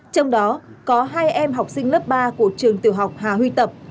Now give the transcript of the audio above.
trong đó có hai em học sinh lớp ba của trường tiểu học hà huy tập